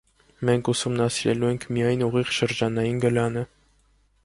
Մենք ուսումնասիրելու ենք միայն «ուղիղ շրջանային գլանը»։